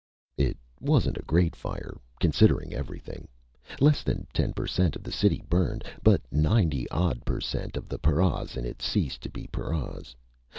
It wasn't a great fire, considering everything. Less than ten per cent of the city burned, but ninety odd per cent of the paras in it ceased to be paras.